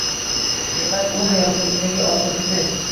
Demak, u hayotingdagi oxirgisi